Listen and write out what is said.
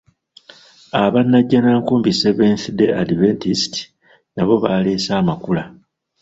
Aba Najjanankumbi Seventh Day Adventist nabo baaleese amakula.